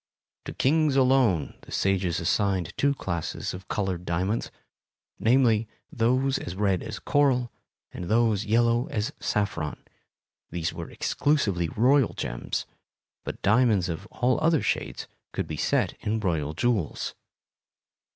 To kings alone the sages assigned two classes of colored diamonds,—namely, those red as coral and those yellow as saffron. These were exclusively royal gems, but diamonds of all other shades could be set in royal jewels.